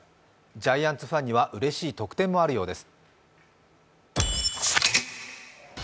ジャイアンツファンにはうれしい特典もあるようです。